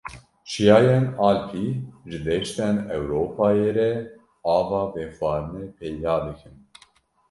Çiyayên Alpî ji deştên Ewropayê re ava vexwarinê peyda dikin.